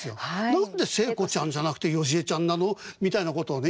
「何で聖子ちゃんじゃなくて芳恵ちゃんなの？」みたいなことをね